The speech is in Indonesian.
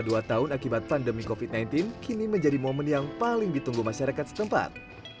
dua tahun akibat pandemi covid sembilan belas kini menjadi momen yang paling ditunggu masyarakat setempat